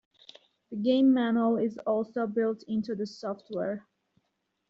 The game manual is also built into the software.